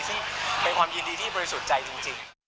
ซึ่งเป็นความยินดีที่บริสุทธิ์ใจจริง